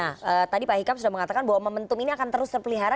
nah tadi pak hikam sudah mengatakan bahwa momentum ini akan terus terpelihara